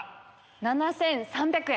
７３００円。